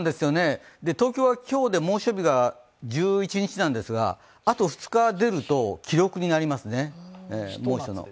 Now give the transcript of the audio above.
東京は今日で、猛暑日が１１日なんですがあと２日出ると記録になりますね、猛暑の。